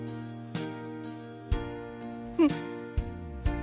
うん。